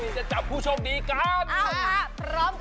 ยิงมาทันสองคุณสอง